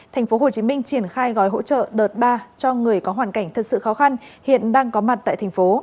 thành phố hồ chí minh triển khai gói hỗ trợ đợt ba cho người có hoàn cảnh thật sự khó khăn hiện đang có mặt tại thành phố